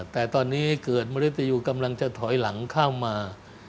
แต่ตอนนี้เกิดมริตยูกำลังจะถอยหลังเข้ามา